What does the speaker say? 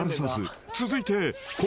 ［続いて］